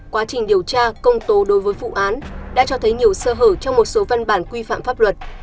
quá trình điều tra công tố đối với vụ án đã cho thấy nhiều sơ hở trong một số văn bản quy phạm pháp luật